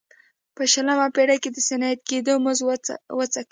په شلمه پېړۍ کې د صنعتي کېدو مزه وڅکي.